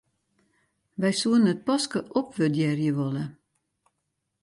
Wy soenen it paske opwurdearje wolle.